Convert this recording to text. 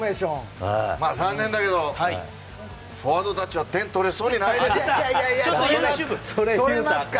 残念だけどフォワードたちは点が取れそうにないです。